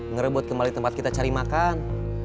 ngerebut kembali tempat kita cari makan